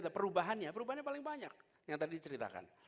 perubahannya perubahannya paling banyak yang tadi diceritakan